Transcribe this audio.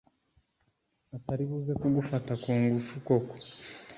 ataribuze kugufata kungufu koko